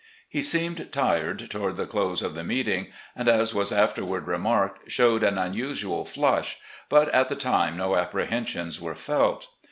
He seemed tired toward the close of the meeting, and, as was afterward remarked, showed an imusual flush, but at the time no apprehensions were felt.